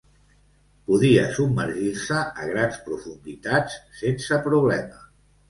Podia submergir-se a grans profunditats sense problema.